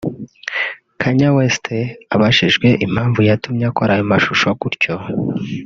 Kanye West abajijwe impamvu yatumye akora ayo mashusho gutyo